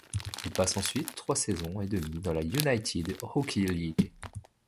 Il passe ensuite trois saisons et demie dans la United Hockey League.